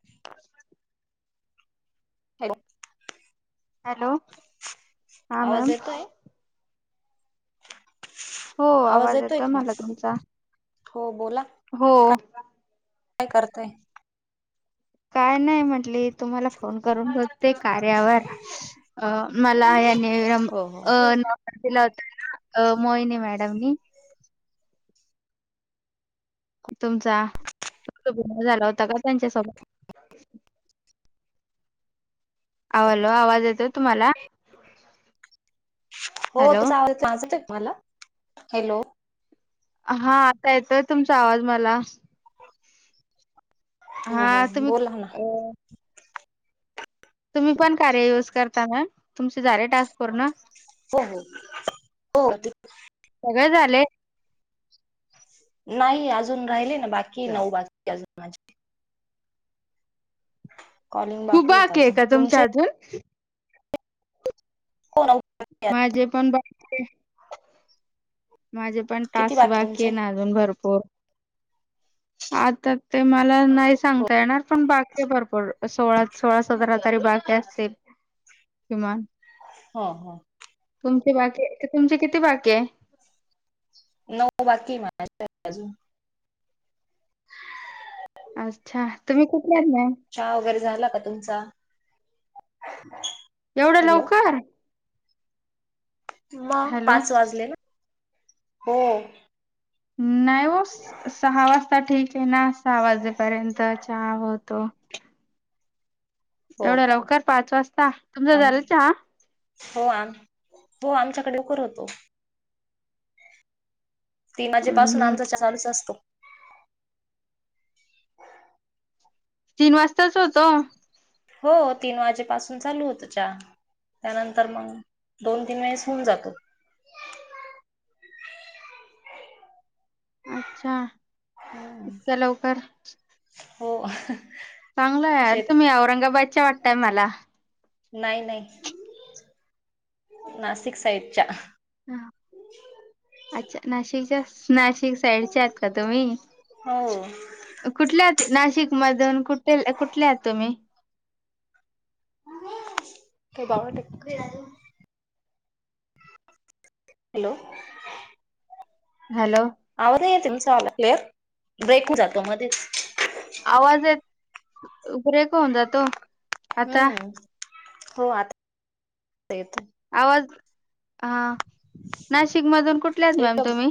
[unintelligible] Hello- hello हा आवाज ma'am येतोय? हो आवाज येतोय मला तुमचा. हो बोला हो काय करताय? काय नाही म्हंटली तुम्हाला फोन करून बघते कार्यावर मला यांनी हो हो नंब-अ नंबर दिला होता ना मोहनी मॅडमनी तुमचा बोलण झाला होता का त्यांच्यासोबत आवलो आवाज येतोय तुम्हाला, हो हॅलो तुझ आव आवाज येतोय तुम्हाला हॅलो, हा आता येतोय तुमचा आवाज मला हो हो हा तूम्ही बोला ना अ तुम्ही पण कार्या यूज करता ना तुमचे झाले टास्क पूर्ण? हो हो हो त सगळे झाले. नाही अजून राहिले. ना बाकी नऊ बाकी अजून माझी कॉलिंग खूप आहेत बाकी आहे अजून का तुमचे अजून हो ना माझे पण बाकी माझे पण किती टास्क बाकी ये तुमचे ना अजून भरपूर आता ते मला नाही हो सांगता येणार पण बाकी भरपूर सोळा सोळा सतरा तरी बाकी असतील किमान हा हा तुमची बाकी तुमची किती बाकी आहे? नऊ बाकी माझे अच्छा तुम्ही कुठल्या आहे? चहा वगैरे झाला का तुमचा? एवढं हॅलो लवकर, मग हॅलो पाच वाजले हो. नाही, हो सहा वाजता ठीक ना सहा वाजेपर्यंत चहा होतो. हो एवढं का लवकर पाच वाजता तुमचं आम झालं चहा हो आ हो आमच्याकडे लवकर होतो. तीन वाजेपासून हम्म आमचा चहा चालूच असतो. तीन वाजताच होतो. हो तीन वाजेपासून चालू होतो चहा. त्यानंतर मग दोन तीन वेळेस होऊन जातो. [inaudible] अच्छा इतक्या लवकर, हो चांगलाय हाय शेत तुम्ही औरंगाबादच्या वाटतय मला, नाही नाही नाशिक साईडच्या हा अच्छा नाशिक जास्त, नाशिक साईडच्या आहेत का तुम्ही हो कुठल्या नाशिक मधून कुठे कुठले आहात तुम्ही का बावाटक हॅलो हॅलो आवाज नाही येत तुमच आल. क्लिअर ब्रेक जातो मध्येच, आवाज येत. ब्रेक होऊन जातो. आता हम्म हो आत येतो आवाज हा नाशिक मधून कुठल्याच एक मॅम तुम्ही?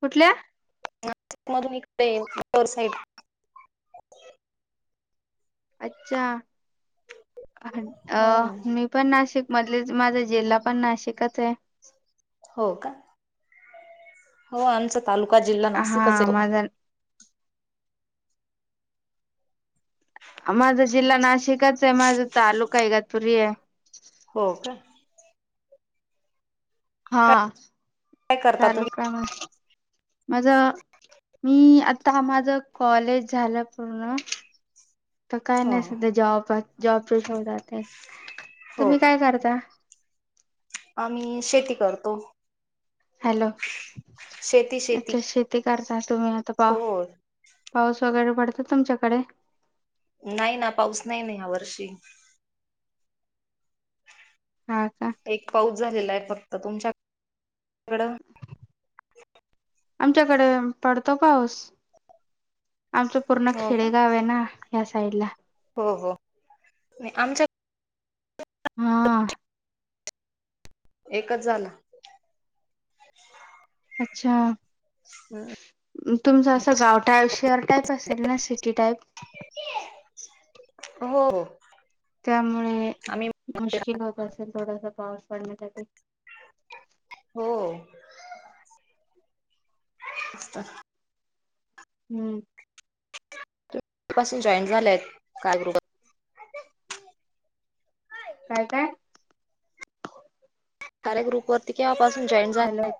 कुठल्या? नाशिक मधून इकड आहे. वर साईड अच्छा अ मी पण नाशिक मधले माझा जिल्हा पण नाशिकच आहे. हो का. हो आमचा तालुका जिल्हा नाशिकच हा आहे. माझा माझा जिल्हा नाशिकच आहे माझा तालुका आहे गतपुरी आहे हो का हा काय काय करता चालू तुम्ही काम माझ मी आता माझ कॉलेज झालं पूर्ण तर काय हो नाही सध्या जॉब जॉबच शोधाचाय हो तुम्ही का काय करता तो हॅलो अच्छा शेती करता तुम्ही आता पा हो पाऊस वगैरे पडत तुमच्याकडे नाही ना पाऊस नाही नाही या वर्षी हा का एक पाऊस झालेला आहे फक्त तुमच्या आमच्याकडे पडतो पाऊस आमचं पूर्ण हो का खेडेगाव आहे ना या साइडला हो हो नाही आमच्या हा एकच झालं अच्छा हम् तुमचं असं गाव टाईप शेअर टाईप असेल ना सिटी टाईप हो त्यामुळे आम्ही मुश्किल होत असेल थोडासा पाऊस पडण्यासाठी. हो अ हम्म पासून जॉईंट झालेय कार्यावर. काय काय या ग्रुप वरती किव्हापासून जॉईन हॅलो झाल्या.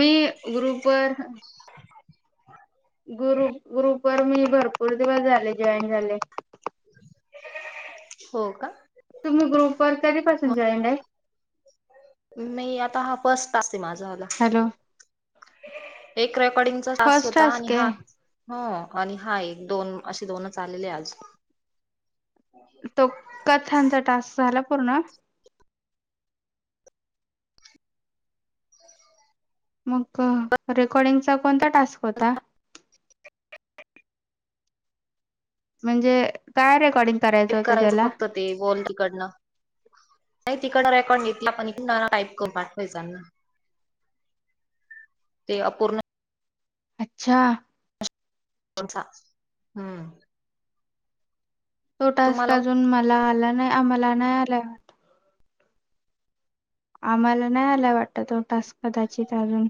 मी ग्रुप वर ग्रुप ग्रुप वर मी भरपूर दिवस झाले जॉईन झाले. हो का तुम्ही ग्रुप वर्क कधीपासून मग जॉईंड आहे. मी आता हा फर्स्ट पाास आहे माझाला हॅलो एक रेकॉर्डिंगचा तास फर्स्ट होता आणि टास्क हा आहे हो आणि हा एक दोन असे दोनच आलेले आज तो कथांचा टास्क झाला पूर्ण मग रेकॉर्डिंगचा कोणता टास्क होता. म्हणजे काय रेकॉर्डिंग टप होतं करायचं त्याला फक्त ते वॉल तिकडनं नाही तिकडं रेकॉर्ड घेतला पण इ नना काईप करून पाठवायचंना ते अपूर्ण अच्छा को हम्म तो टस्क तुम्हाला अजून मला आला नाही आम्हाला नाही आलाय वाटत. आम्हाला नाही आला वाटत तो टास्क कदाचित अजून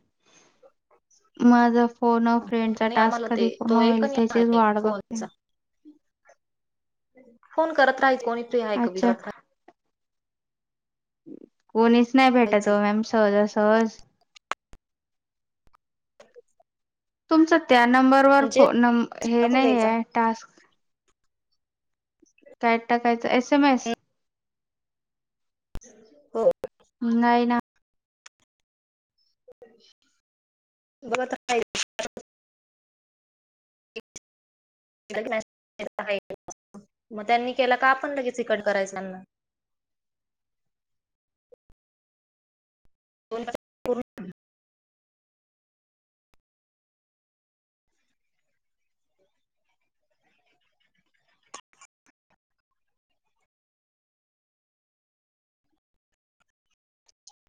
माझा फोन फ्रेंडचा नाही आम्हाला टास्क ते कधी पूर्ण तो एक होईल आणि हा त्याचीच एक वाढ बघते. फोनचा फोन करत राहाय कोणी तू ऐकरत अच्छा राहा. कोणीच नाही राहायचं भेटतो मॅम सहजासहज अ तुमच त्या नंबरवर हे टाकून नाही द्यायचा आहे टास्क काय टाकायचं एस एमएस हो नाही ना बघते. हे कामी. मग त्यांनी केला का आपण लगेचिकट करायचंना. Phone phone